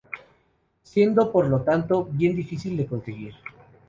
Siendo por lo tanto bien difícil de conseguir.